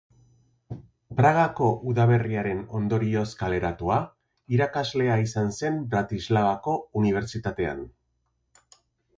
Pragako Udaberriaren ondorioz kaleratua, irakaslea izan zen Bratislavako Unibertsitatean.